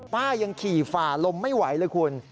ป้ายังขี่ฝ่าลมไม่ไหวเลยคุณ